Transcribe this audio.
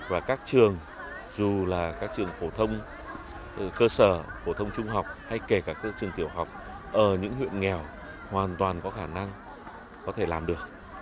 và các trường dù là các trường phổ thông cơ sở phổ thông trung học hay kể cả các trường tiểu học ở những huyện nghèo hoàn toàn có khả năng có thể làm được